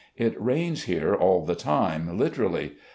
... It rains here all the time, literally.